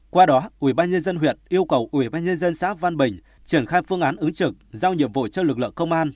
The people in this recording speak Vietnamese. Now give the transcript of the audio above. qua đó ubnd huyện yêu cầu ubnd xã văn bình triển khai phương án ứng trực giao nhiệm vụ cho lực lượng công an